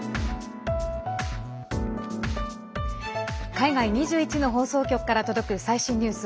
海外２１の放送局から届く最新ニュース。